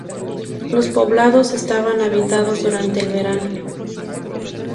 Los poblados estaban habitados durante el verano.